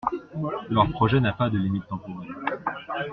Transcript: Leur projet n’a pas de limite temporelle.